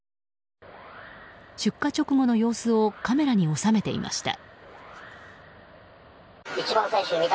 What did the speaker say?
出火直後の様子をカメラに収めていました。